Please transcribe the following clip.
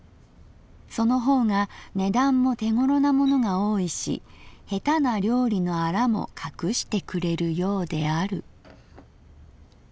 その方が値段も手ごろなものが多いし下手な料理のアラもかくしてくれるようである」。